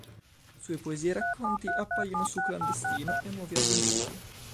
Sue poesie e racconti appaiono su "ClanDestino" e "Nuovi Argomenti".